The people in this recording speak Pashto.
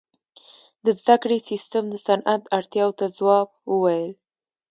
• د زدهکړې سیستم د صنعت اړتیاو ته ځواب وویل.